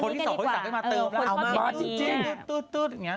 ได้ความรู้